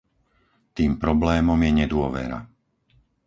Tým problémom je nedôvera.